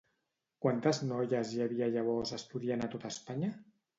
Quantes noies hi havia llavors estudiant a tota Espanya?